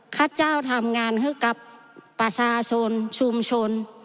ข้าเจ้าทำงานให้กับประชาชนชุมชน